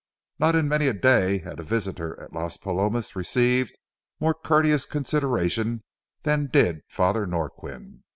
Not in many a day had a visitor at Las Palomas received more courteous consideration than did Father Norquin.